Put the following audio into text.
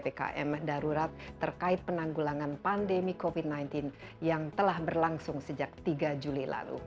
ppkm darurat terkait penanggulangan pandemi covid sembilan belas yang telah berlangsung sejak tiga juli lalu